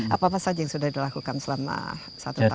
apa saja yang sudah dilakukan selama satu tahun ini